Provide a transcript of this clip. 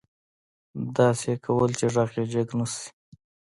داسې يې کول چې غږ يې جګ نه شي.